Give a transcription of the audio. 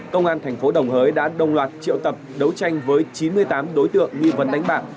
công an thành phố đồng hới đã đồng loạt triệu tập đấu tranh với chín mươi tám đối tượng nghi vấn đánh bạc